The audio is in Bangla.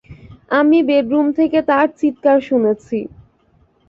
আমি বেডরুম থেকে তার চিৎকার শুনেছি।